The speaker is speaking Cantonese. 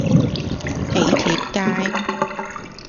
囍帖街